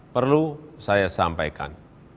perlu saya sampaikan